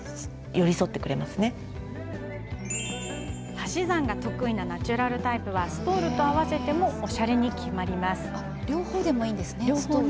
足し算が得意なナチュラルタイプはストールと合わせてもおしゃれに決まります。